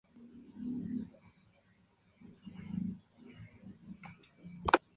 Anales del Instituto Candela